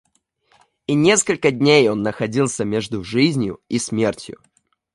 И несколько дней он находился между жизнью и смертью.